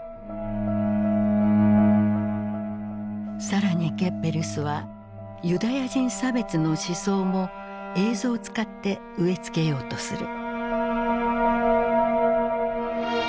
更にゲッベルスはユダヤ人差別の思想も映像を使って植え付けようとする。